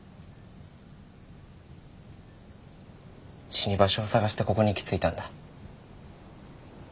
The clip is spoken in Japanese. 死に場所を探してここに行き着いたんだ。